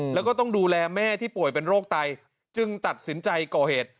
แล้วก็ต้องดูแลแม่ที่ป่วยเป็นโรคไตจึงตัดสินใจก่อเหตุ